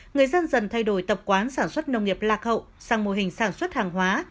người dân dần thay đổi tập quán sản xuất nông nghiệp lạc hậu sang mô hình sản xuất hàng hóa